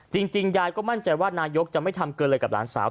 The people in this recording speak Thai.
จริงยายก็มั่นใจว่านายกจะไม่ทำเกินเลยกับหลานสาว